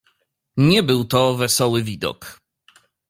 "Nie był to wesoły widok."